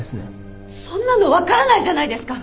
そんなの分からないじゃないですか。